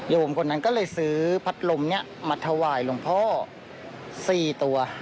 คนนั้นก็เลยซื้อพัดลมนี้มาถวายหลวงพ่อ๔ตัว